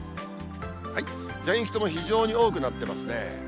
全域とも非常に多くなっていますね。